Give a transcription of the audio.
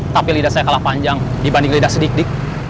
tapi lidah saya kalah panjang dibanding lidah si dik dik